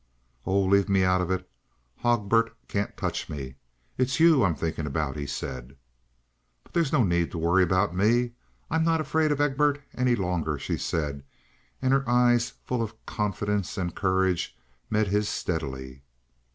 "Oh, leave me out of it! Hogbert can't touch me. It's you I'm thinking about," he said. "But there's no need to worry about me. I'm not afraid of Egbert any longer," she said, and her eyes, full of confidence and courage, met his steadily.